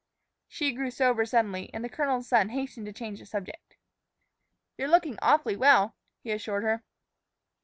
She grew sober suddenly, and the colonel's son hastened to change the subject. "You're looking awfully well," he assured her.